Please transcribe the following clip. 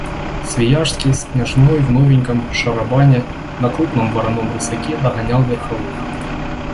Свияжский с княжной в новеньком шарабане на крупном вороном рысаке догоняли верховых.